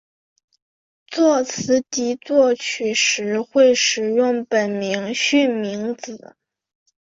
作词及作曲时会使用本名巽明子。